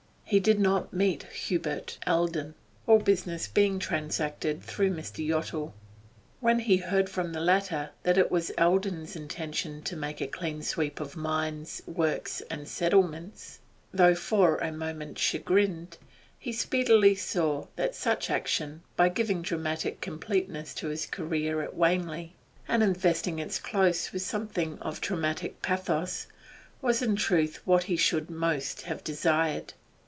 He did not meet Hubert Eldon, all business being transacted through Mr. Yottle. When he heard from the latter that it was Eldon's intention to make a clean sweep of mines, works, and settlements, though for a moment chagrined, he speedily saw that such action, by giving dramatic completeness to his career at Wanley and investing its close with something of tragic pathos, was in truth what he should most have desired.